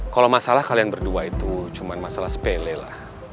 kalau masalah kalian berdua itu cuma masalah sepele lah